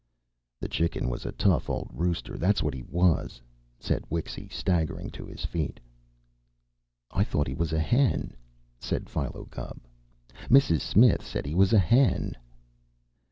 "The Chicken was a tough old rooster, that's what he was," said Wixy, staggering to his feet. "I thought he was a hen," said Philo Gubb. "Mrs. Smith said he was a hen."